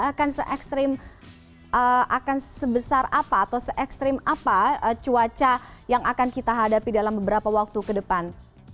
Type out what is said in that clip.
akan se ekstrim akan sebesar apa atau se ekstrim apa cuaca yang akan kita hadapi dalam beberapa waktu ke depan